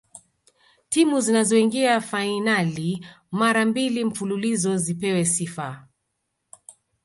timu zinazoingia fainali mara mbili mfululizo zipewe sifa